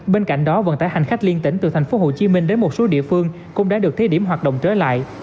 bên cạnh đó vận tải hành khách liên tỉnh từ tp hcm đến một số địa phương cũng đã được thí điểm hoạt động trở lại